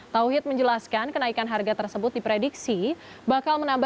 tauhid menjelaskan kenaikan harga tersebut diprediksi bakal menambah